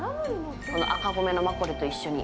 赤米のマッコリと一緒に。